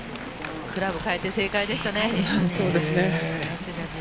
クラブを変えて正解でしたね。